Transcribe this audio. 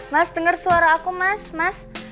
mas dengar suara aku mas mas